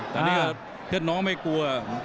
ตอนนี้เพื่อนน้องไม่กลัว